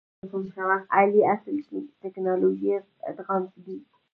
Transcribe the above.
اصلي کار ټکنالوژیک ادغام دی.